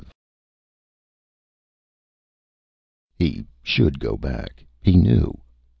V He should go back, he knew.